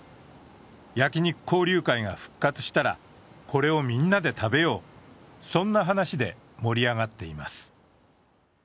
焼肉交流会が復活したら、これをみんなで食べよう、そんな話で盛り上がっています。